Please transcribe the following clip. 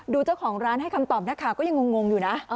ดูเจ้าของร้านให้คำตอบนะคะก็ยังงงอยู่นะ